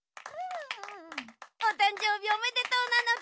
おたんじょうびおめでとうなのだ。